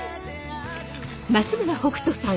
松村北斗さん